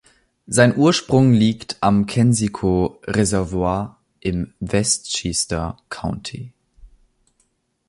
Sein Ursprung liegt am Kensico-Reservoir im Westchester County.